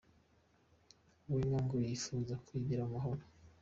Wenger ngo yipfuza "kwigira mu mahoro".